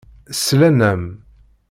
Slan-am.